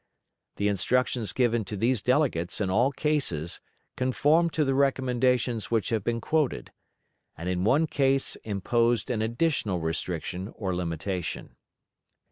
The instructions given to these delegates in all cases conformed to the recommendations which have been quoted, and in one case imposed an additional restriction or limitation.